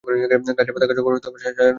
গাছের পাতা পর্যায়ক্রমে সাজানো থাকে।